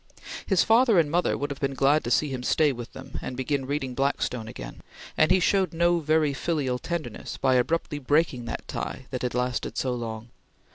His father and mother would have been glad to see him stay with them and begin reading Blackstone again, and he showed no very filial tenderness by abruptly breaking the tie that had lasted so long.